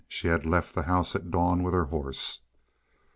She had left the house at dawn with her horse.